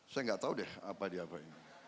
saya gak tahu deh apa diapa ini